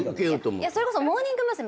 それこそモーニング娘。